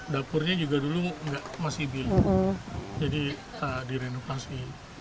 dapurnya juga dulu masih belum jadi direnovasi